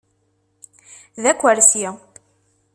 D akersi.